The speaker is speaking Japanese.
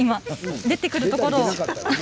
出てくるところを。